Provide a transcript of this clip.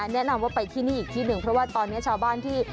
แนะนำว่าไปที่นี่อีกที่หนึ่งเพราะว่าตอนนี้ชาวบ้านที่